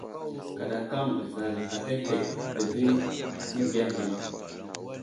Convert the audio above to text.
Kaɗakan zalta ketek dedi məgiya ghay i ma.